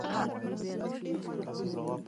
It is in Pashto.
چې خپل جلاد ته یې ښېرې هم په خوله نه راوړلې